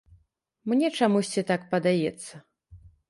Мне чамусьці так падаецца.